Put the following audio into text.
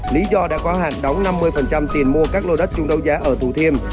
lý do đã có hạn đóng năm mươi tiền mua các lô đất trúng đấu giá ở thủ thiêm